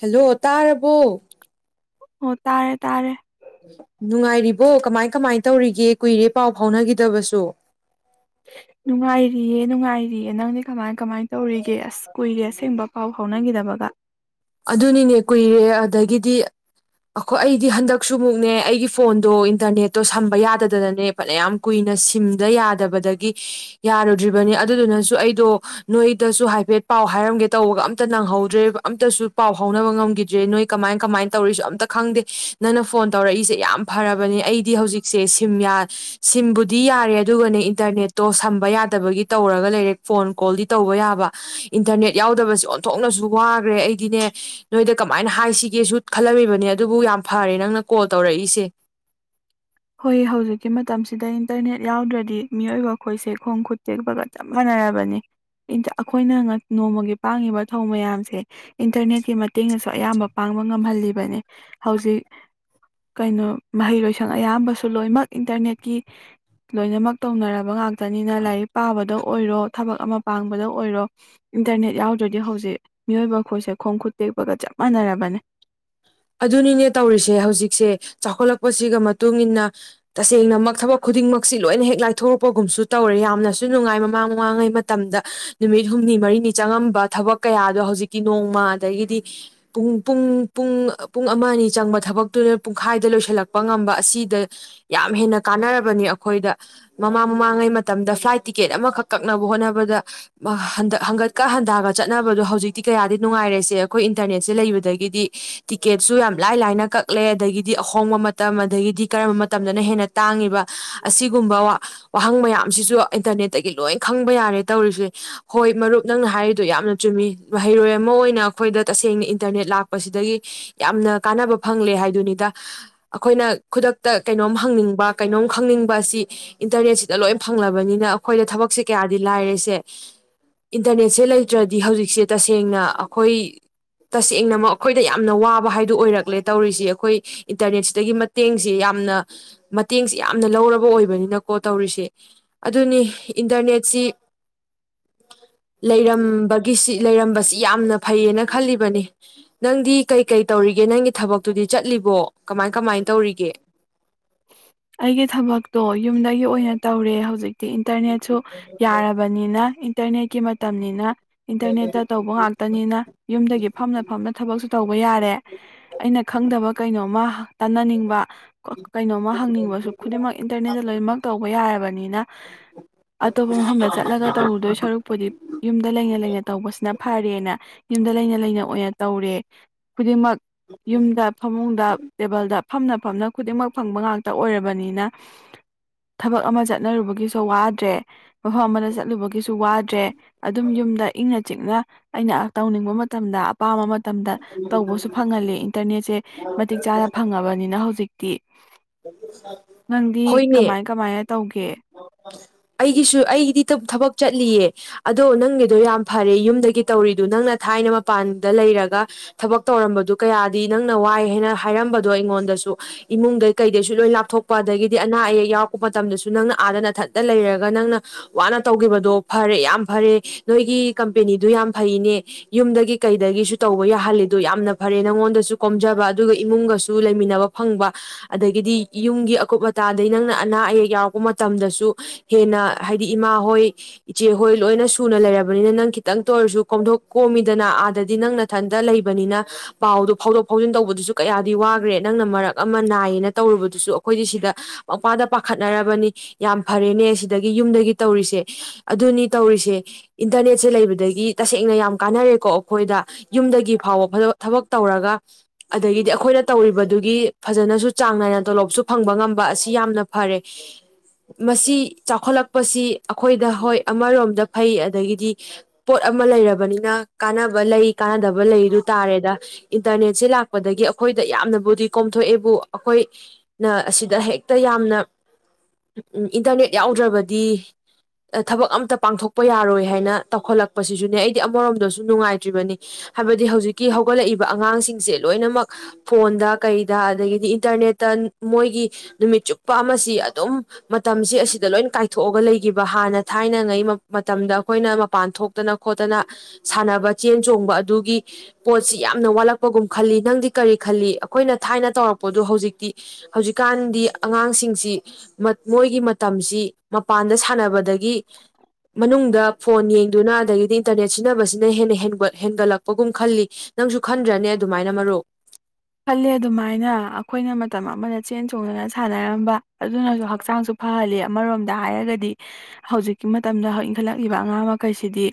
hello ꯇꯥꯕꯨ ꯑꯣ ꯇꯥꯔꯦ ꯇꯥꯔꯦ ꯅꯨꯡꯉꯥꯏꯔꯤꯕꯣ ꯀꯃꯥꯏ ꯀꯃꯥꯏ ꯇꯧꯔꯤꯒꯦ ꯀꯨꯏꯔꯦ ꯄꯥꯎ ꯐꯥꯎꯅꯈꯤꯗꯕꯁꯨ ꯅꯨꯡꯉꯥꯏꯔꯤꯌꯦ ꯅꯨꯡꯉꯥꯏꯔꯤꯌꯦ ꯅꯪꯗꯤ ꯀꯃꯥꯏ ꯀꯃꯥꯏꯅ ꯇꯧꯔꯤꯒꯦ ꯑꯁ ꯀꯨꯏꯔꯦ ꯑꯁꯦꯡꯕ ꯄꯥꯎ ꯐꯥꯎꯅꯈꯤꯗꯕꯒ ꯑꯗꯨꯅꯤꯅꯦ ꯀꯨꯏꯔꯦ ꯑꯗꯒꯤꯗꯤ ꯑꯩꯈꯣꯏ ꯑꯩꯗꯤ ꯍꯟꯗꯛꯁꯨ ꯃꯨꯛꯅꯦ ꯑꯩꯒꯤ ꯐꯣꯟꯗꯣ ꯏꯟꯇꯔꯅꯦꯠꯇꯣ ꯁꯝꯕ ꯌꯥꯗꯗꯅꯅꯦ ꯐꯅꯌꯥꯝ ꯀꯨꯏꯅ ꯁꯤꯝꯗ ꯌꯥꯗꯕꯗꯒꯤ ꯌꯥꯔꯨꯗ꯭ꯔꯤꯕꯅꯤ ꯑꯗꯨꯗꯨꯅꯁꯨ ꯑꯩꯗꯣ ꯅꯣꯏꯗꯁꯨ ꯍꯥꯏꯐꯦꯠ ꯄꯥꯎ ꯍꯥꯏꯔꯝꯒꯦ ꯇꯧꯕꯒ ꯑꯝꯇ ꯅꯪꯍꯧꯗ꯭ꯔꯦ ꯑꯝꯇꯁꯨ ꯄꯥꯎ ꯐꯥꯎꯅꯕ ꯉꯝꯈꯤꯗ꯭ꯔꯦ ꯅꯣꯏ ꯀꯃꯥꯏ ꯀꯃꯥꯏꯅ ꯇꯧꯔꯤꯁꯨ ꯑꯝꯇ ꯈꯪꯗꯦ ꯅꯪꯅ ꯐꯣꯟ ꯇꯧꯔꯛꯏꯁꯦ ꯌꯥꯝ ꯐꯔꯕꯅꯦ ꯑꯩꯗꯤ ꯍꯧꯖꯤꯛꯁꯦ ꯁꯤꯝ ꯁꯤꯝꯕꯨꯗꯤ ꯌꯥꯔꯦ ꯑꯗꯨꯒꯅꯦ ꯏꯟꯇꯔꯅꯦꯠꯇꯣ ꯁꯝꯕ ꯌꯥꯗꯕꯒꯤ ꯇꯧꯔꯒ ꯂꯩꯔꯦ ꯐꯣꯟ ꯀꯣꯜꯗꯤ ꯇꯧꯕ ꯌꯥꯕ ꯏꯟꯇꯔꯅꯦꯠ ꯌꯥꯎꯗꯕꯁꯦ ꯑꯣꯟꯊꯣꯛꯅꯁꯨ ꯋꯥꯈ꯭ꯔꯦ ꯑꯩꯗꯤꯅꯦ ꯅꯣꯏꯗ ꯀꯃꯥꯏꯅ ꯍꯥꯏꯁꯤꯒꯦꯁꯨ ꯈꯜꯂꯝꯃꯤꯕꯅꯦ ꯑꯗꯨꯕꯨ ꯌꯥꯝ ꯐꯔꯦ ꯅꯪꯅ ꯀꯣꯜ ꯇꯧꯔꯛꯏꯁꯦ ꯍꯣꯏ ꯍꯧꯖꯤꯛꯀꯤ ꯃꯇꯝꯁꯤꯗ ꯏꯟꯇꯔꯅꯦꯠ ꯌꯥꯎꯗ꯭ꯔꯗꯤ ꯃꯤꯑꯣꯏꯕ ꯑꯩꯈꯣꯏꯁꯦ ꯈꯣꯡ ꯈꯨꯠ ꯇꯦꯛꯄꯒ ꯆꯞ ꯃꯥꯟꯅꯔꯕꯅꯤ ꯑꯩꯈꯣꯏꯅ ꯅꯣꯡꯃꯒꯤ ꯄꯥꯡꯉꯤꯕ ꯊꯧ ꯃꯌꯥꯝꯁꯦ ꯏꯟꯇꯔꯅꯦꯠꯀꯤ ꯃꯇꯦꯡꯅꯁꯨ ꯑꯌꯥꯝꯕ ꯄꯥꯡꯕ ꯉꯝꯍꯜꯂꯤꯕꯅꯤ ꯍꯧꯖꯤꯛ ꯀꯩꯅꯣ ꯃꯍꯩ ꯂꯣꯏꯁꯪ ꯑꯌꯥꯝꯕꯁꯨ ꯂꯣꯏꯅꯃꯛ ꯏꯟꯇꯔꯅꯦꯠꯀꯤ ꯂꯣꯏꯅꯃꯛ ꯇꯧꯅꯔꯕ ꯇꯅꯤꯅ ꯂꯥꯏꯔꯤꯛ ꯄꯥꯕꯗꯣ ꯑꯣꯏꯔꯣ ꯊꯕꯛ ꯑꯃ ꯄꯥꯡꯕꯗ ꯑꯣꯏꯔꯣ ꯏꯟꯇꯔꯅꯦꯠ ꯌꯥꯎꯗ꯭ꯔꯗꯤ ꯍꯧꯖꯤꯛ ꯃꯤꯑꯣꯏꯕ ꯑꯩꯈꯣꯏꯁꯦ ꯈꯣꯡ ꯈꯨꯠ ꯇꯦꯛꯄꯒ ꯆꯞ ꯃꯥꯟꯅꯔꯕꯅꯤ ꯑꯗꯨꯅꯤꯅꯦ ꯇꯧꯔꯤꯁꯦ ꯍꯧꯖꯤꯛꯁꯦ ꯆꯥꯎꯈꯠꯂꯛꯄꯁꯤꯒ ꯃꯇꯨꯡ ꯏ ꯃꯇꯨꯡꯏꯟꯅ ꯇꯁꯦꯡꯅꯃꯛ ꯊꯕꯛ ꯈꯨꯗꯤꯡꯃꯛꯁꯤ ꯂꯣꯏꯅ ꯍꯦꯛ ꯂꯥꯏꯊꯣꯔꯛꯄꯒꯨꯝꯁꯨ ꯇꯧꯔꯦ ꯌꯥꯝꯅꯁꯨ ꯅꯨꯡꯉꯥꯏ ꯃꯃꯥꯡ ꯃꯃꯥꯡꯉꯩ ꯃꯇꯝꯗ ꯅꯨꯃꯤꯠ ꯍꯨꯝꯅꯤ ꯃꯔꯤꯅꯤ ꯆꯪꯉꯝꯕ ꯊꯕꯛ ꯀꯌꯥꯗꯣ ꯍꯧꯖꯤꯛꯇꯤ ꯅꯣꯡꯃ ꯑꯗꯒꯤꯗꯤ ꯄꯨꯡ ꯄꯨꯡ ꯄꯨꯡ ꯄꯨꯡ ꯑꯃ ꯑꯅꯤ ꯆꯪꯕ ꯊꯕꯛꯇꯨꯅ ꯄꯨꯡꯈꯥꯏꯗ ꯂꯣꯏꯁꯤꯜꯂꯛꯄ ꯉꯝꯕ ꯑꯁꯤꯗ ꯌꯥꯝ ꯍꯦꯟꯅ ꯀꯥꯟꯅꯔꯕꯅꯤ ꯑꯩꯈꯣꯏꯗ ꯃꯃꯥꯡ ꯃꯃꯥꯡꯉꯩ ꯃꯇꯝꯗ ꯐ꯭ꯂꯥꯏꯠ ꯇꯤꯀꯦꯠ ꯑꯃꯈꯛ ꯀꯛꯅꯕ ꯍꯣꯠꯅꯕꯗ ꯍꯟꯒꯠꯀ ꯍꯟꯊꯒ ꯆꯠꯅꯕꯗꯣ ꯍꯧꯖꯤꯛꯇꯤ ꯀꯌꯥꯗꯤ ꯅꯨꯡꯉꯥꯏꯔꯦꯁꯦ ꯑꯩꯈꯣꯏ ꯏꯟꯇꯔꯅꯦꯠꯁꯦ ꯂꯩꯕꯗꯒꯤꯗꯤ ꯇ ꯀꯦꯠꯁꯨ ꯌꯥꯝ ꯂꯥꯏ ꯂꯥꯏꯅ ꯀꯛꯂꯦ ꯑꯗꯒꯤꯗꯤ ꯑꯍꯣꯡꯕ ꯃꯇꯝ ꯑꯗꯒꯤꯗꯤ ꯀꯔꯝꯕ ꯃꯇꯝꯗꯅ ꯍꯦꯟꯅ ꯇꯥꯡꯉꯤꯕ ꯑꯁꯤꯒꯨꯝꯕ ꯋꯥꯍꯪ ꯃꯌꯥꯝꯁꯤꯁꯨ ꯏꯟꯇꯔꯅꯦꯠꯇꯒꯤ ꯂꯣꯏ ꯈꯪꯕ ꯌꯥꯔꯦ ꯇꯧꯔꯤꯁꯦ ꯍꯣꯏ ꯃꯔꯨꯞ ꯅꯪꯅ ꯍꯥꯏꯔꯤꯗꯨꯣ ꯌꯥꯝꯅ ꯆꯨꯝꯃꯤ ꯃꯍꯩꯔꯣꯏ ꯑꯃ ꯑꯣꯏꯅ ꯑꯩꯈꯣꯏꯗ ꯇꯁꯦꯡꯅ ꯏꯟꯇꯔꯅꯦꯠ ꯂꯥꯛꯄꯁꯤꯗꯒꯤ ꯌꯥꯝꯅ ꯀꯥꯟꯅꯕ ꯐꯪꯂꯦ ꯍꯥꯏꯗꯨꯅꯤꯗ ꯑꯩꯈꯣꯏꯅ ꯈꯨꯗꯛ ꯀꯩꯅꯣꯝ ꯍꯪꯅꯤꯡꯕ ꯀꯩꯅꯣꯝ ꯈꯪꯅꯤꯡꯕ ꯑꯁꯤ ꯏꯟꯇꯔꯅꯦꯠꯁꯤꯗ ꯂꯣꯏ ꯐꯪꯂꯕꯅꯤꯅ ꯑꯩꯈꯣꯏꯗ ꯊꯕꯛꯁꯦ ꯀꯌꯥꯗꯤ ꯂꯥꯏꯔꯦꯁꯦ ꯁꯦ ꯏꯟꯇꯔꯅꯦꯠꯁꯦ ꯂꯩꯇ꯭ꯔꯗꯤ ꯍꯧꯖꯤꯛꯁꯦ ꯇꯁꯦꯡꯅ ꯑꯩꯈꯣꯏ ꯇꯁꯦꯡꯅꯃꯛ ꯑꯩꯈꯣꯏꯗ ꯌꯥꯝꯅ ꯋꯥꯕ ꯐ ꯀꯩ ꯀꯩ ꯇꯧꯔꯤꯒꯦ ꯅꯪꯒꯤ ꯊꯕꯛꯇꯨꯗꯤ ꯆꯠꯂꯤꯕꯣ ꯀꯃꯥꯏ ꯀꯃꯥꯏ ꯇꯧꯔꯤꯒꯦ ꯑꯩꯒꯤ ꯊꯕꯛꯇꯣ ꯌꯨꯝꯗꯒꯤ ꯑꯣꯏꯅ ꯇꯧꯔꯦ ꯍꯧꯖꯤꯛ ꯏꯟꯇꯔꯅꯦꯠꯁꯨ ꯌꯥꯔꯕꯅꯤꯅ ꯇꯅꯦ ꯀꯤ ꯃꯇꯝꯅꯤꯅ ꯏꯟꯇꯔꯅꯦꯠꯇ ꯇꯧꯕ ꯉꯥꯛꯇꯅꯤꯅ ꯌꯨꯝꯗꯒꯤ ꯐꯝꯅ ꯐꯝꯅ ꯊꯕꯛ ꯇꯧꯕ ꯌꯥꯔꯦ ꯑꯩꯅ ꯈꯪꯗꯕ ꯀꯩꯅꯣꯝꯃ ꯇꯥꯟꯅꯅꯤꯡꯕ ꯀꯩꯅꯣꯃ ꯗꯤꯡꯃꯛ ꯏꯟꯇꯔꯅꯦ ꯂꯣꯏꯅꯃꯛ ꯇꯧꯕ ꯌꯥꯔꯕꯅꯤꯅ ꯑꯇꯣꯞꯄ ꯃꯐꯝꯗ ꯆꯠꯂ ꯇꯧꯔꯨꯗꯣꯏ ꯁꯔꯨꯛꯄꯨꯗꯤ ꯌꯨꯝꯗ ꯂꯩꯅ ꯂꯩꯅ ꯇꯧꯕꯁꯤꯅ ꯐꯔꯦꯅ ꯌꯨꯝꯗ ꯂꯩꯅ ꯂꯩꯅ ꯑꯣꯏꯅ ꯇꯧꯔꯦ ꯈꯨꯗꯤꯡꯃꯛ ꯌꯨꯝꯗ ꯐꯃꯨꯡꯗ ꯇꯦꯕꯜꯗ ꯐꯝꯅ ꯐꯝꯅ ꯈꯨꯗꯤꯡꯃꯛ ꯐꯪꯕ ꯉꯥꯛ ꯇ ꯑꯣꯏꯔꯕꯅꯤꯅ ꯊꯕꯛ ꯑꯃ ꯆꯠꯅꯔꯨꯕꯒꯤꯁꯨ ꯋꯥꯗ꯭ꯔꯦ ꯃꯐꯝ ꯑꯃꯗ ꯆꯠꯂꯨꯕꯒꯤꯁꯨ ꯋꯥꯗ꯭ꯔꯦ ꯑꯗꯨꯝ ꯌꯨꯝꯗ ꯏꯪꯅ ꯤꯛꯅ ꯑꯩꯅ ꯇꯧꯅꯤꯡꯕ ꯃꯇꯝꯗ ꯑꯄꯥꯝꯕ ꯃꯇꯝꯗ ꯇꯧꯕꯁꯨ ꯐꯪꯍꯜꯂꯤꯦ ꯏꯟꯇꯔꯅꯦꯠꯁꯦ ꯃꯇꯤꯛ ꯆꯥꯅ ꯐꯪꯉꯕꯅꯤꯅ ꯍꯧꯖꯤꯛ ꯇ ꯍꯣꯏꯅꯦ ꯀꯃꯥꯏꯅ ꯇꯧꯒꯦ ꯑꯩꯒꯤꯁꯨ ꯑꯩꯒꯤꯗꯤ ꯊꯕꯛ ꯆꯠꯂꯤꯌꯦ ꯑꯗꯣ ꯅꯪꯒꯤꯗꯣ ꯌꯥꯝ ꯐꯔꯦ ꯌꯨꯝꯗꯒꯤ ꯇꯧꯔꯤꯗꯨ ꯅꯪꯅ ꯊꯥꯏꯅ ꯃꯄꯥꯟꯗ ꯂꯩꯔꯒ ꯊꯕꯛ ꯇꯧꯔꯝꯕꯗꯨ ꯀꯌꯥꯗꯤ ꯅꯪꯅ ꯋꯥꯏ ꯍꯥꯏꯅ ꯍꯥꯏꯔꯝꯕꯗꯣ ꯑꯩꯉꯣꯟꯗꯁꯨ ꯏꯃꯨꯡꯗꯩ ꯀꯩꯗꯩꯁꯨ ꯂꯣꯏ ꯂꯥꯞꯊꯣꯛꯄ ꯑꯗꯒꯤꯗꯤ ꯑꯅꯥ ꯑꯌꯦꯛ ꯌꯥꯎꯔꯛꯄ ꯃꯇꯝꯗꯁꯨ ꯅꯪꯅ ꯑꯥꯗ ꯅꯊꯠꯇ ꯂꯩꯔꯒ ꯅꯪꯅ ꯋꯥꯅ ꯇꯧꯈꯤꯕꯗꯣ ꯐꯔꯦ ꯌꯥꯝꯅ ꯐꯔꯦ ꯅꯣꯏꯒꯤ ꯀꯝꯄꯦꯅꯤꯗꯨ ꯌꯥꯝ ꯐꯩꯅꯦ ꯌꯨꯝꯗꯒꯤ ꯀꯩꯗꯒꯤꯁꯨ ꯇꯧꯕ ꯌꯥꯍꯜꯂꯤꯗꯣ ꯌꯥꯝꯅ ꯐꯔꯦ ꯅꯪꯉꯣꯟꯗꯁꯨ ꯀꯣꯝꯖꯕ ꯑꯗꯨꯒ ꯏꯃꯨꯡꯒꯁꯨ ꯂꯩꯃꯤꯟꯅꯕ ꯐꯪꯕ ꯑꯗꯒꯤꯗꯤ ꯌꯨꯝꯒꯤ ꯑꯀꯨꯞ ꯑꯇꯥꯗꯒꯤꯩ ꯅꯪꯅ ꯑꯅꯥ ꯑꯌꯦꯛ ꯌꯥꯎꯔꯛꯄ ꯃꯇꯝꯗꯁꯨ ꯍꯦꯟꯅ ꯍꯥꯏꯗꯤ ꯏꯃꯥ ꯍꯣꯏ ꯏꯆꯦꯍꯣꯏ ꯂꯣꯏꯅ ꯁꯨꯅ ꯂꯩꯔꯕꯅꯤꯅ ꯅꯪ ꯈꯤꯇꯪꯇ ꯑꯣꯏꯔꯁꯨ ꯀꯣꯝꯊꯣꯛ ꯀꯣꯝꯃꯤꯗꯅ ꯑꯥꯗꯗꯤ ꯅꯪꯅꯊꯟꯇ ꯂꯩꯕꯅꯤꯅ ꯄꯥꯎꯗꯣ ꯐꯥꯎꯗꯣꯛ ꯐꯥꯎꯖꯤꯟ ꯇꯧꯕꯗꯨꯁꯨ ꯀꯌꯥꯗꯤ ꯋꯥꯈ꯭ꯔꯦ ꯅꯪꯅ ꯃꯔꯛ ꯑꯃ ꯅꯥꯏꯌꯦꯅ ꯇꯧꯔꯨꯕꯗꯨꯁꯨ ꯑꯩꯈꯣꯏꯗꯤ ꯁꯤꯗ ꯃꯄꯥꯗ ꯄꯥꯈꯠ ꯆꯠꯅꯔꯕꯅꯤ ꯌꯥꯝ ꯐꯔꯦꯅꯦ ꯁꯤꯗꯒꯤ ꯌꯨꯝꯗꯒꯤ ꯇꯧꯔꯤꯁꯦ ꯑꯗꯨꯅꯤ ꯇꯧꯔꯤꯁꯦ ꯏꯟꯇꯔꯅꯦꯠꯁꯦ ꯂꯩꯕꯗꯒꯤ ꯇꯁꯦꯡꯅ ꯌꯥꯝ ꯀꯥꯟꯅꯔꯦꯀꯣ ꯑꯩꯈꯣꯏꯗ ꯌꯨꯝꯗꯒꯤ ꯐꯥꯎꯕ ꯊꯕꯛ ꯇꯧꯔꯒ ꯑꯗꯒꯤꯗꯤ ꯑꯩꯈꯣꯏꯅ ꯇꯧꯔꯤꯕꯗꯨꯒꯤ ꯐꯖꯅꯁꯨ ꯆꯥꯡ ꯅꯥꯏꯅ ꯇꯣꯂꯣꯞꯁꯨ ꯐꯪꯕ ꯉꯝꯕ ꯑꯁꯤ ꯌꯥꯝꯅ ꯐꯔꯦ ꯃꯁꯤ ꯆꯥꯎꯈꯠꯂꯛꯄꯁꯤ ꯑꯩꯈꯣꯏꯗ ꯍꯣꯏ ꯑꯃꯔꯣꯝꯗ ꯐꯩ ꯑꯗꯒꯤꯗꯤ ꯄꯣꯠ ꯑꯃ ꯂꯩꯔꯕꯅꯤꯅ ꯀꯥꯟꯅꯕ ꯂꯩ ꯀꯥꯟꯅꯗꯕ ꯂꯩꯗꯨ ꯇꯥꯔꯦꯗ ꯏꯟꯇꯔꯅꯦꯠꯁꯦ ꯂꯥꯛꯄꯗꯒꯤ ꯑꯩꯈꯣꯏꯗ ꯌꯥꯝꯅꯕꯨꯗꯤ ꯀꯣꯝꯊꯣꯛꯑꯦꯕꯨ ꯑꯩꯈꯣꯏꯅ ꯑꯁꯤꯗ ꯍꯦꯛꯇ ꯌꯥꯝꯅ ꯏꯟꯇꯔꯅꯦꯠ ꯌꯥꯎꯗ꯭ꯔꯕꯗꯤ ꯊꯕꯛ ꯑꯝꯇ ꯄꯥꯡꯊꯣꯛꯄ ꯌꯥꯔꯣꯏ ꯍꯥꯏꯅ ꯇꯧꯈꯠꯂꯛꯄꯁꯤꯁꯨꯅꯦ ꯑꯩꯗꯤ ꯑꯃꯔꯣꯝꯗꯁꯨ ꯅꯨꯡꯉꯥꯏꯇ꯭ꯔꯤꯕꯅꯤ ꯍꯥꯏꯕꯗꯤ ꯍꯧꯖꯤꯛꯀꯤ ꯍꯧꯒꯠꯂꯛꯏꯕ ꯑꯉꯥꯡꯁꯤꯡꯁꯦ ꯂꯣꯏꯅꯃꯛ ꯐꯣꯟꯗ ꯀꯩꯗ ꯑꯗꯒꯤꯗꯤ ꯏꯟꯇꯔꯅꯦꯠꯇ ꯃꯣꯏꯒꯤ ꯅꯨꯃꯤꯠ ꯆꯨꯞꯄ ꯑꯃ ꯁꯤ ꯑꯗꯨꯝ ꯃꯇꯝꯁꯤ ꯑꯁꯤꯗ ꯂꯣꯏ ꯀꯥꯏꯊꯣꯛꯑꯒ ꯂꯩꯈꯤꯕ ꯍꯥꯟꯅ ꯊꯥꯏꯅꯉꯩ ꯃꯇꯝꯗ ꯑꯩꯈꯣꯏꯅ ꯃꯄꯥꯟ ꯊꯣꯛꯇꯅ ꯈꯣꯠꯇꯅ ꯁꯥꯟꯅꯕ ꯆꯦꯟ ꯆꯣꯡꯕ ꯑꯗꯨꯒꯤ ꯄꯣꯠꯁꯤ ꯌꯥꯝꯅ ꯋꯥꯠꯂꯛꯄꯒꯨꯝ ꯈꯜꯂꯤ ꯅꯪꯗꯤ ꯀꯔꯤ ꯈꯜꯂꯤ ꯑꯩꯈꯣꯏꯅ ꯊꯥꯏꯅ ꯇꯧꯔꯛꯄꯗꯨ ꯍꯧꯖꯤꯛꯇꯤ ꯍꯧꯖꯤꯛꯀꯥꯟꯗꯤ ꯑꯉꯥꯡꯁꯤꯡꯁꯤ ꯃꯣꯏꯒꯤ ꯃꯇꯝꯁꯤ ꯃꯄꯥꯟꯗ ꯁꯥꯟꯅꯕꯗꯒꯤ ꯃꯅꯨꯡꯗ ꯐꯣꯟ ꯌꯦꯡꯗꯨꯅ ꯑꯗꯒꯤꯗꯤ ꯏꯟꯇꯔꯅꯦꯠ ꯁꯤꯖꯤꯟꯅꯕꯁꯤꯅ ꯍꯦꯟꯅ ꯍꯦꯟꯒꯠꯂꯛꯄꯒꯨꯝ ꯈꯜꯂꯤ ꯅꯪꯁꯨ ꯈꯟꯗ꯭ꯔꯅꯦ ꯑꯗꯨꯃꯥꯏꯅ ꯃꯔꯨꯞ ꯈꯜꯂꯦ ꯑꯗꯨꯃꯥꯏꯅ ꯑꯩꯈꯣꯏꯅ ꯃꯇꯝ ꯑꯃꯗ ꯆꯦꯟ ꯆꯣꯡꯗꯅ ꯁꯥꯟꯅꯔꯝꯕ ꯑꯗꯨꯅꯁꯨ ꯍꯛꯆꯥꯡꯁꯨ ꯐꯍꯜꯂꯤ ꯑꯃꯔꯣꯝꯗ ꯍꯥꯏꯔꯒꯗꯤ ꯍꯧꯖꯤꯛꯀꯤ ꯃꯇꯝꯗ ꯏꯟꯈꯠꯂꯛꯂꯤꯕ ꯑꯉꯥꯡ ꯃꯈꯩꯁꯤꯗꯤ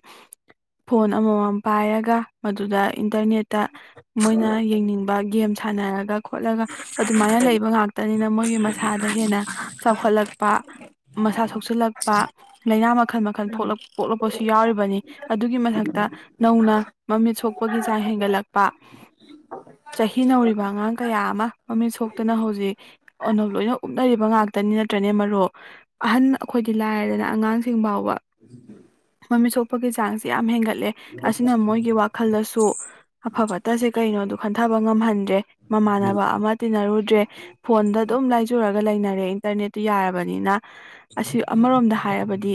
ꯐꯣꯟ ꯑꯃꯃꯝ ꯄꯥꯏꯔꯒ ꯃꯗꯨꯗ ꯏꯟꯇꯔꯅꯦꯠꯇ ꯃꯣꯏꯅ ꯌꯦꯡꯅꯤꯡꯕ ꯒꯦꯝ ꯁꯥꯟꯅꯔꯒ ꯈꯣꯠꯂꯒ ꯑꯗꯨꯃꯥꯏꯅ ꯂꯩꯕ ꯉꯇꯅꯤꯅ ꯃꯣꯏꯒꯤ ꯃꯁꯥꯗ ꯍꯦꯟꯅ ꯆꯥꯎꯈꯠꯂꯛꯄ ꯃꯁꯥ ꯁꯣꯛꯆꯤꯜꯂꯛ ꯂꯥꯏꯅꯥ ꯃꯈꯟ ꯃꯈꯜ ꯄꯣꯛꯂꯛꯄꯁꯨ ꯌꯥꯎꯔꯤꯕꯅꯤ ꯑꯗꯨꯒꯤ ꯃꯊꯛꯇ ꯅꯧꯅ ꯃꯃꯤꯠ ꯁꯣꯛꯄꯒꯤ ꯆꯥꯡ ꯍꯦꯟꯒꯠꯂꯛꯄ ꯆꯍꯤ ꯅꯧꯔꯤꯕ ꯑꯉꯥꯡ ꯀꯌꯥ ꯑꯃ ꯃꯃꯤꯠ ꯁꯣꯛꯇꯅ ꯍꯧꯖꯤꯛ ꯑꯣꯅꯧ ꯂꯣꯏꯅ ꯎꯞꯅꯔꯤꯕ ꯉꯥꯛꯇꯅꯤ ꯅꯠꯇ꯭ꯔꯅꯦ ꯃꯔꯣꯛ ꯑꯍꯟ ꯑꯩꯈꯣꯏꯗꯤ ꯂꯥꯏꯔꯗꯅ ꯑꯉꯥꯡꯁꯤꯡ ꯐꯥꯎꯕ ꯃꯃꯤꯠ ꯁꯣꯛꯄꯒꯤ ꯆꯥꯡꯁ ꯀꯌꯥ ꯃꯦꯦꯡꯒꯥ ꯎꯠꯂꯦ ꯑꯁꯤꯅ ꯃꯣꯏꯒꯤ ꯋꯥꯈꯜꯗꯁꯨ ꯑꯐ ꯐꯠꯇꯁꯦ ꯀꯩꯅꯣ ꯟꯊꯕ ꯉꯝꯍꯟꯗ꯭ꯔꯦ ꯃꯃꯥꯟꯅꯕ ꯑꯃ ꯇꯤꯟꯅꯔꯨꯗ꯭ꯔꯦ ꯐꯣꯟꯗ ꯑꯗꯨꯝ ꯂꯥꯏꯖ ꯒ ꯂꯩꯅꯔꯦ ꯏꯟꯇꯔꯅꯦꯠꯇꯨ ꯌꯥꯔꯕꯅꯤꯅ ꯑꯁꯤ ꯑꯃꯔꯣꯝꯗ ꯍꯥꯏꯔꯕꯗꯤ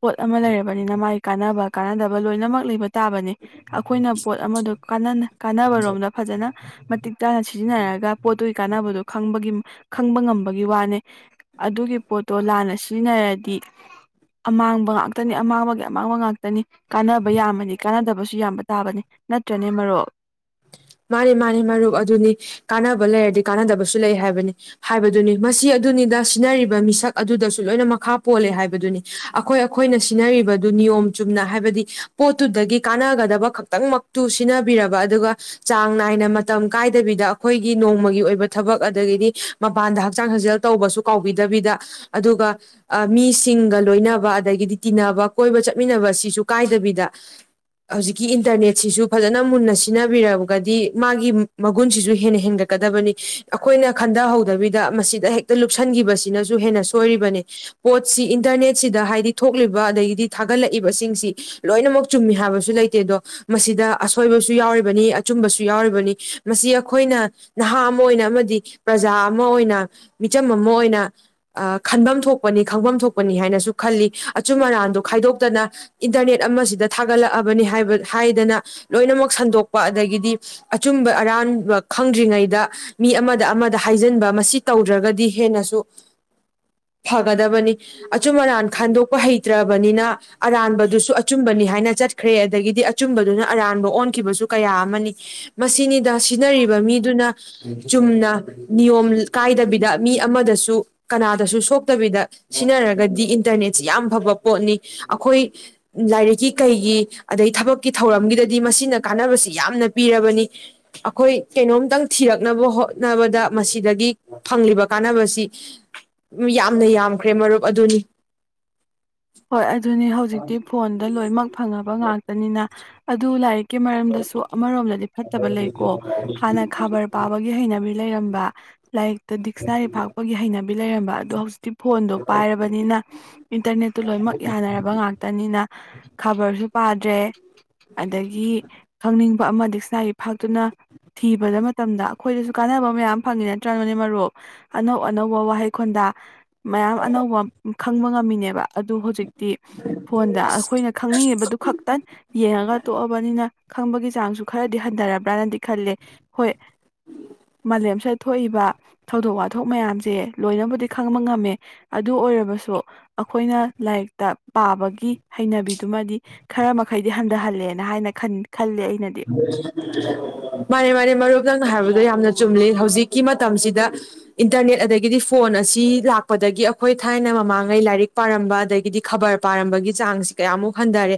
ꯄꯣꯠ ꯑꯃ ꯂꯩꯔꯕꯅꯤꯅ ꯃꯥꯒꯤ ꯀꯥꯟꯅꯕ ꯀꯥꯟꯅꯗꯕ ꯂꯣꯏꯅꯃꯛ ꯂꯩꯕ ꯇꯥꯕꯅꯤ ꯑꯩꯈꯣꯏꯅ ꯄꯣꯠ ꯑꯃꯗ ꯀꯥꯟꯅꯕꯔꯣꯝꯗ ꯐꯖꯅ ꯃꯇꯤꯛ ꯆꯥꯅ ꯁꯤꯖꯤꯟꯅꯔꯒ ꯄꯣꯠꯇꯨꯒꯤ ꯀꯥꯟꯅꯕꯗꯣ ꯈꯪꯕꯒꯤ ꯈꯪꯕ ꯉꯝꯕꯒꯤ ꯋꯥꯅꯦ ꯑꯗꯨꯒꯤ ꯄꯣꯠꯇꯣ ꯂꯥꯟꯅ ꯁꯤꯖꯤꯟꯅꯔꯗꯤ ꯑꯃꯥꯡꯕ ꯉꯥꯛꯇꯅꯤ ꯑꯃꯥꯡꯕꯒꯤ ꯑꯃꯥꯡꯕ ꯉꯥꯛꯇꯅꯤ ꯀꯥꯟꯅꯕ ꯌꯥꯝꯃꯗꯤ ꯀꯥꯟꯅꯗꯕꯁꯨ ꯌꯥꯝꯕ ꯇꯥꯕꯅꯤ ꯅꯠꯇ꯭ꯔꯅꯦ ꯃꯔꯣꯛ ꯃꯥꯅꯤ ꯃꯥꯅꯤ ꯃꯔꯨꯞ ꯑꯗꯨꯅꯤ ꯀꯥꯟꯅꯕ ꯂꯩꯔꯗꯤ ꯀꯥꯟꯅꯗꯕꯁꯨ ꯂꯩ ꯍꯥꯏꯕꯅꯤ ꯍꯥꯏꯕꯗꯨꯅꯤ ꯃꯁꯤ ꯑꯗꯨꯅꯤꯗ ꯁꯤꯖꯤꯟꯅꯔꯤꯕ ꯃꯤꯁꯛ ꯑꯗꯨꯗꯁꯨ ꯂꯣꯏꯅ ꯃꯈꯥ ꯄꯣꯜꯂꯦ ꯍꯥꯏꯕꯗꯨꯅꯤ ꯑꯩꯈꯣꯏ ꯑꯩꯈꯣꯏꯅ ꯁꯤꯟꯅꯔꯤꯕꯗꯨ ꯅꯤꯌꯣꯝ ꯆꯨꯝꯅ ꯍꯥꯏꯕꯗꯤ ꯄꯣꯠꯇꯨꯗꯒꯤ ꯀꯥꯟꯅꯒꯗꯕ ꯈꯛꯇꯪꯃꯛꯇꯨ ꯁꯤꯟꯅꯕꯤꯔꯕ ꯑꯗꯨꯒ ꯆꯥꯡ ꯅꯥꯏꯅ ꯃꯇꯝ ꯀꯥꯏꯗꯕꯤꯗ ꯑꯩꯈꯣꯏꯒꯤ ꯅꯣꯡꯃꯒꯤ ꯑꯣꯏꯕ ꯊꯕꯛ ꯑꯗꯒꯤꯗꯤ ꯃꯄꯥꯟꯗ ꯍꯛꯆꯥꯡ ꯍꯖꯦꯜ ꯇꯧꯕꯁꯨ ꯀꯥꯎꯕꯤꯗꯕꯤꯗ ꯑꯗꯨꯒ ꯃꯤꯁꯤꯡꯒ ꯂꯣꯏꯅꯕ ꯑꯗꯒꯤꯗꯤ ꯇꯤꯟꯅꯕ ꯀꯣꯏꯕ ꯆꯠꯃꯤꯟꯅꯕ ꯁꯤꯁꯨ ꯀꯥꯏꯗꯕꯤꯗ ꯍꯧꯖꯤꯛꯀꯤ ꯏꯟꯇꯔꯅꯦꯠꯁꯤꯁꯨ ꯐꯖꯅ ꯃꯨꯟꯅ ꯁꯤꯖꯤꯟꯅ ꯍꯥꯏꯕꯤꯒꯗꯤ ꯃꯥꯒꯤ ꯃꯒꯨꯟꯁꯤꯁꯨ ꯍꯦꯟꯅ ꯍꯦꯟꯒꯠꯀꯗꯕꯅꯤ ꯑꯩꯈꯣꯏꯅ ꯈꯟꯊꯍꯧꯗꯕꯤꯗ ꯃꯁꯤꯗ ꯍꯦꯛꯇ ꯂꯨꯞꯁꯟꯈꯤꯕꯁꯤꯅꯁꯨ ꯍꯦꯟꯅ ꯁꯣꯏꯔꯤꯕꯅꯤ ꯄꯣꯠꯁꯤ ꯏꯟꯇꯔꯅꯦꯠꯁꯤꯗ ꯍꯥꯏꯗꯤ ꯊꯣꯛꯂꯤꯕ ꯑꯗꯒꯤꯗꯤ ꯊꯥꯒꯠꯂꯛꯏꯕꯁꯤꯡꯁꯤ ꯂꯣꯏꯅꯃꯛ ꯆꯨꯝꯃꯤ ꯍꯥꯏꯕꯁꯨ ꯂꯩꯇꯦ ꯑꯗꯣ ꯃꯁꯤꯗ ꯑꯁꯣꯏꯕꯁꯨ ꯌꯥꯎꯔꯤꯕ ꯑꯆꯨꯝꯕꯁꯨ ꯌꯥꯎꯔꯤꯕꯅꯤ ꯃꯁꯤ ꯑꯩꯈꯣꯏꯅ ꯅꯍꯥ ꯑꯃ ꯑꯣꯏꯅ ꯑꯃꯗꯤ ꯄ꯭ꯔꯖꯥ ꯑꯃ ꯑꯣꯏꯅ ꯃꯤꯆꯝ ꯑꯃ ꯑꯣꯏꯅ ꯈꯟꯐꯝ ꯊꯣꯛꯄꯅꯤ ꯈꯪꯐꯝ ꯊꯣꯛꯄꯅꯤ ꯍꯥꯏꯅꯁꯨ ꯈꯜꯂꯤ ꯑꯆꯨꯝ ꯑꯔꯥꯟꯗꯣ ꯈꯥꯏꯗꯣꯛꯇꯅ ꯏꯟꯇꯔꯅꯦꯠ ꯑꯃꯁꯤꯗ ꯊꯥꯒꯠꯂꯛꯑꯕꯅꯤ ꯍꯥꯏꯕ ꯍꯥꯏꯗꯅ ꯂꯣꯏꯅꯃꯛ ꯁꯟꯗꯣꯛ ꯑꯗꯒꯤꯗꯤ ꯑꯆꯨꯝꯕ ꯑꯔꯥꯟꯕ ꯈꯪꯗ꯭ꯔꯤꯉꯩꯗ ꯃꯤ ꯑꯃꯗ ꯑꯃꯗ ꯍꯥꯏꯖꯤꯟꯕ ꯃꯁꯤ ꯇꯧꯗ꯭ꯔꯒꯗꯤ ꯍꯦꯟꯅꯁꯨ ꯐꯒꯗꯕꯅꯤ ꯑꯆꯨꯝ ꯑꯔꯥꯟ ꯈꯟꯗꯣꯛꯄ ꯍꯩꯇ꯭ꯔꯕꯅꯤꯅ ꯑꯔꯥꯟꯕꯗꯨꯁꯨ ꯑꯆꯨꯝꯕꯅꯤ ꯍꯥꯏꯅ ꯆꯠꯈ꯭ꯔꯦ ꯑꯗꯒꯤꯗꯤ ꯑꯆꯨꯝꯕꯗꯨꯅ ꯑꯔꯥꯟꯕ ꯑꯣꯟꯈꯤꯕꯁꯨ ꯀꯌꯥ ꯑꯃꯅꯤ ꯃꯁꯤꯅꯤꯗ ꯁꯤꯖꯤꯟꯅꯔꯤꯕ ꯃꯤꯗꯨꯅ ꯆꯨꯝꯅ ꯅꯤꯌꯣꯝ ꯀꯥꯏꯗꯕꯤꯗ ꯃꯤ ꯑꯃꯗꯁꯨ ꯀꯅꯥꯗꯁꯨ ꯁꯣꯛꯇꯕꯤꯗ ꯁꯤꯖꯤꯟꯅꯔꯒꯗꯤ ꯏꯟꯇꯔꯅꯦꯠꯁꯤ ꯌꯥꯝ ꯐꯕ ꯄꯣꯠꯅꯤ ꯑꯩꯈꯣꯏ ꯂꯥꯏꯔꯤꯛꯀꯤ ꯀꯩꯒꯤ ꯑꯗꯩ ꯊꯕꯛꯀꯤ ꯊꯧꯔꯝꯒꯤꯗꯗꯤ ꯃꯁꯤꯅ ꯀꯥꯟꯅꯕꯁꯤ ꯌꯥꯝꯅ ꯄꯤꯔꯕꯅꯤ ꯑꯩꯈꯣꯏ ꯀꯩꯅꯣꯝꯇꯪ ꯊꯤꯔꯛꯅꯕ ꯍꯣꯠꯅꯕꯗ ꯃꯁꯤꯗꯒꯤ ꯐꯪꯂꯤꯕ ꯀꯥꯟꯅꯕꯁꯤ ꯌꯥꯝꯅ ꯌꯥꯝꯈ꯭ꯔꯦ ꯃꯔꯨꯞ ꯑꯗꯨꯅꯤ ꯍꯣꯏ ꯑꯗꯨꯅꯤ ꯍꯧꯖꯤꯛꯇꯤ ꯐꯣꯟꯗ ꯂꯣꯏꯅꯃꯛ ꯐꯪꯉꯕ ꯉꯥꯛꯇꯅꯤꯅ ꯑꯗꯨ ꯂꯥꯏꯛ ꯀ ꯃꯔꯝꯗꯁꯨ ꯑꯃꯔꯣꯝꯗꯗꯤ ꯐꯠꯇꯕ ꯂꯩꯀꯣ ꯍꯥꯟꯅ ꯈꯕꯔ ꯄꯥꯕꯒꯤ ꯍꯩꯅꯕꯤ ꯂꯩꯔꯝꯕ ꯂꯥꯏꯔꯤꯛꯇ ꯗꯤꯛꯁꯅꯥꯔꯤ ꯐꯥꯛꯄꯒꯤ ꯍꯩꯅꯕꯤ ꯕꯤ ꯂꯩꯔꯝꯕ ꯑ ꯑꯗꯨꯣ ꯍꯧꯖꯤꯤ ꯐꯣꯟꯗꯣ ꯄꯥꯏꯔꯕꯅꯤꯅ ꯏꯟꯇꯔꯅꯦꯠ ꯂꯣꯏꯅꯃꯛ ꯌꯥꯅꯔꯕ ꯉꯥꯛꯇꯅꯤꯅ ꯈꯕꯔ ꯄꯥꯗ꯭ꯔꯦ ꯑꯗꯒꯤ ꯈꯪꯅꯤꯡꯕ ꯑꯃ ꯗꯤꯁꯅꯥꯒꯤ ꯐꯥꯛꯇꯨꯅ ꯊꯤꯕꯗ ꯃꯇꯝꯗ ꯑꯩꯈꯣꯏꯗꯁꯨ ꯀꯥꯟꯅꯕ ꯃꯌꯥꯝ ꯐꯪꯉꯤ ꯅꯠꯇ꯭ꯔꯅꯅꯦ ꯃꯔꯨꯞ ꯑꯅꯧ ꯑꯅꯧꯕ ꯋꯥꯍꯩꯈꯣꯟꯗ ꯃꯌꯥꯝ ꯑꯅꯧꯕ ꯈꯪꯕ ꯉꯝ ꯃꯤꯅꯦꯕ ꯑꯗꯨ ꯍꯧꯖꯤꯛꯇꯤ ꯐꯣꯟꯗ ꯑꯩꯈꯣꯏꯅ ꯈꯪꯅꯤꯡꯉꯤꯕꯗꯨ ꯈꯛꯇ ꯌꯦꯡꯉꯒ ꯇꯣꯛꯑꯕꯅꯤꯅ ꯈꯪꯕꯒꯤ ꯆꯥꯡꯁꯨ ꯈꯔꯗꯤ ꯍꯟꯊꯔꯕ꯭ꯔꯅꯗꯤ ꯈꯜꯂꯦ ꯍꯣꯏ ꯃꯥꯂꯦꯝꯁꯤꯗ ꯊꯣꯛꯏꯕ ꯊꯧꯗꯣꯛ ꯋꯥꯊꯣꯛ ꯃꯌꯥꯝꯁꯦ ꯂꯣꯏꯅꯕꯨꯗꯤ ꯈꯪꯕ ꯉꯝꯃꯦ ꯑꯗꯨ ꯑꯣꯏꯔꯕꯁꯨ ꯑꯩꯈꯣꯏꯅ ꯂꯥꯏꯔꯤꯛꯇ ꯄꯥꯕꯒꯤ ꯍꯩꯅꯕꯤꯗꯨꯃꯗꯤ ꯈꯔ ꯃꯈꯩꯗꯤ ꯍꯟꯊꯍꯜꯂꯦꯅ ꯍꯥꯏꯅ ꯈꯟ ꯃꯥꯅꯤ ꯃꯥꯅꯦ ꯃꯔꯨꯞꯀꯪ ꯍꯥꯏꯕ ꯑꯗꯣ ꯌꯥꯝꯅ ꯆꯨꯝꯂꯤ ꯍꯧꯖꯤꯛꯀꯤ ꯃꯇꯝꯁꯤꯗ ꯏꯟꯇꯔꯅꯦꯠ ꯑꯗꯒꯤꯗꯤ ꯐꯣꯟ ꯑꯁꯤ ꯂꯥꯛꯄꯗꯒꯤ ꯑꯩꯈꯣꯏ ꯊꯥꯏꯅ ꯃꯃꯥꯡꯉꯩ ꯂꯥꯏꯔꯤꯛ ꯄꯥꯔꯝꯕ ꯑꯗꯒꯤꯗꯤ ꯈꯕꯔ ꯄꯥꯔꯝꯕꯒꯤ ꯆꯥꯡꯁꯤ ꯀꯌꯥꯃꯨꯛ ꯍꯟꯊꯔꯦ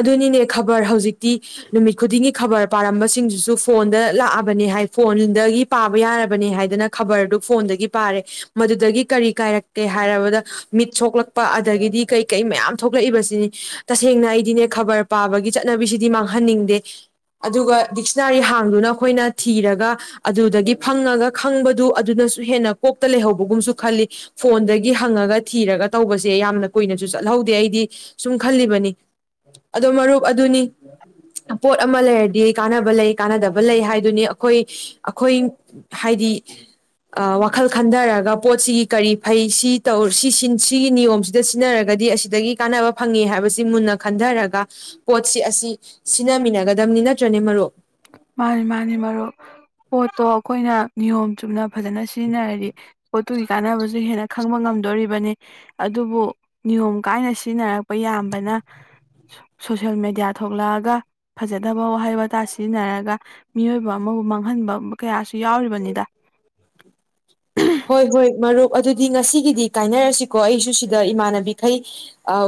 ꯑꯗꯨꯅꯤꯅꯦ ꯈꯕꯔ ꯍꯧꯖꯤꯛꯇꯤ ꯅꯨꯃꯤꯠ ꯈꯨꯗꯤꯡꯒꯤ ꯈꯕꯔ ꯄꯥꯔꯝꯕꯁꯤꯡꯗꯨꯁꯨ ꯐꯣꯟꯗ ꯂꯥꯛꯑꯕꯅꯦ ꯍꯥꯏ ꯐꯣꯟꯗꯒꯤ ꯄꯥꯕ ꯌꯥꯔꯕꯅꯦ ꯍꯥꯏꯗꯅ ꯈꯕꯔꯗꯨ ꯐꯣꯟꯗꯒꯤ ꯄꯥꯔꯦ ꯃꯗꯨꯗꯒꯤ ꯀꯔꯤ ꯀꯥꯏꯔꯛꯀꯦ ꯍꯥꯏꯔꯕꯗ ꯃꯤꯠ ꯁꯣꯛꯂꯛꯄ ꯑꯗꯒꯤꯗꯤ ꯀꯩ ꯀꯩ ꯃꯌꯥꯝ ꯊꯣꯛꯂꯛꯏꯕꯁꯤꯅꯤ ꯇꯁꯦꯡꯅ ꯑꯩꯗꯤꯅꯦ ꯈꯕꯔ ꯄꯥꯕꯒꯤ ꯆꯠꯅꯕꯤꯁꯤꯗꯤ ꯃꯥꯡꯍ ꯍꯪꯍꯟꯅꯤꯡꯗꯦ ꯑꯗꯨꯒ ꯗꯤꯛꯁꯅꯥꯔꯤ ꯍꯥꯡꯗꯨꯅ ꯑꯩꯈꯣꯏꯅ ꯊꯤꯔꯒ ꯑꯗꯨꯗꯒꯤ ꯐꯪꯉꯒ ꯈꯪꯕꯗꯨ ꯑꯗꯨꯅꯁꯨ ꯍꯦꯟꯅ ꯀꯣꯛꯇ ꯂꯩꯍꯧꯕꯒꯨꯝꯁꯨ ꯈꯜꯂꯤ ꯐꯣꯟꯗꯒꯤ ꯍꯪꯉꯒ ꯊꯤꯔꯒ ꯇꯧꯕꯁꯦ ꯌꯥꯝꯅ ꯀꯨꯏꯅꯁꯨ ꯆꯠꯍꯧꯗꯦ ꯑꯩꯗꯤ ꯁꯨꯝ ꯈꯜꯂꯤꯕꯅꯤ ꯑꯗꯣ ꯃꯔꯨꯞ ꯑꯗꯨꯅꯤ ꯄꯣꯠ ꯑꯃ ꯂꯩꯔꯗꯤ ꯀꯥꯟꯅꯕ ꯂꯩ ꯀꯥꯟꯅꯗꯕ ꯂꯩ ꯍꯥꯏꯗꯨꯅꯤ ꯑꯩꯈꯣꯏ ꯑꯩꯈꯣꯏ ꯍꯥꯏꯗꯤ ꯋꯥꯈꯜ ꯈꯟꯊꯔꯒ ꯄꯣꯠꯁꯤꯒꯤ ꯀꯔꯤ ꯐꯩ ꯁꯤ ꯇꯧ ꯁꯤꯒꯤ ꯅꯤꯌꯣꯝꯁꯤꯗ ꯁꯤꯖꯤꯟꯅꯔꯒꯗꯤ ꯑꯁꯤꯗꯒꯤ ꯀꯥꯟꯅꯕ ꯐꯪꯉꯦ ꯍꯥꯏꯕꯁꯤ ꯃꯨꯟꯅ ꯈꯟꯊꯔꯒ ꯄꯣꯠꯁꯤ ꯑꯁꯤ ꯁꯤꯟꯅꯃꯤꯟꯅꯒꯗꯕꯅꯤ ꯅꯠꯇ꯭ꯔꯅꯦ ꯃꯔꯨꯞ ꯃꯥꯅꯤ ꯃꯥꯅꯤ ꯃꯔꯨꯞ ꯄꯣꯠꯇꯣ ꯑꯩꯈꯣꯏꯅ ꯅꯤꯌꯣꯝ ꯆꯨꯝꯅ ꯐꯖꯅ ꯁꯤꯖꯤꯟꯅꯔꯗꯤ ꯄꯣꯠꯇꯨꯒꯤ ꯀꯥꯟꯅꯕꯁꯨ ꯍꯦꯟꯅ ꯈꯪꯕ ꯉꯝꯗꯣꯔꯤꯕꯅꯤ ꯑꯗꯨꯕꯨ ꯅꯤꯌꯣꯝ ꯀꯥꯏꯅ ꯁꯤꯖꯤꯟꯅꯔꯛꯄ ꯌꯥꯕꯅ ꯁꯣꯁꯦꯜ ꯃꯦꯗꯤꯌꯥ ꯊꯣꯛꯂꯛꯑꯒ ꯐꯖꯗꯕ ꯋꯥꯍꯩ ꯋꯥꯇꯥ ꯁꯤꯖꯤꯟꯅꯔꯒ ꯃꯤꯑꯣꯏꯕ ꯑꯃꯕꯨ ꯃꯥꯡꯍꯟꯕ ꯀꯌꯥꯁꯨ ꯌꯥꯎꯔꯤꯕꯅꯤꯗ ꯍꯣꯏ ꯍꯣꯏ ꯃꯔꯨꯞ ꯑꯗꯨꯗꯤ ꯉꯁꯤꯒꯤꯗꯤ ꯀꯥꯏꯅꯔꯁꯤꯀꯣ ꯑꯩꯁꯨ ꯁꯤꯗ ꯏꯃꯥꯟꯅꯕꯤꯈꯩ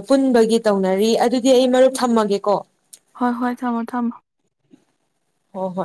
ꯄꯨꯟꯕꯒꯤ ꯇꯧꯅꯔꯤ ꯑꯗꯨꯗꯤ ꯑꯩ ꯃꯔꯨꯞ ꯊꯝꯃꯒꯦꯀꯣ ꯍꯣꯏ ꯍꯣꯏ ꯊꯝꯃꯣ ꯊꯝꯃꯣ ꯍꯣ ꯍꯣꯏ